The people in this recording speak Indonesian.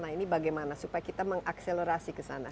nah ini bagaimana supaya kita mengakselerasi ke sana